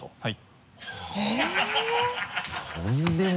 はい。